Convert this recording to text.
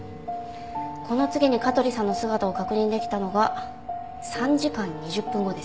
この次に香取さんの姿を確認できたのが３時間２０分後です。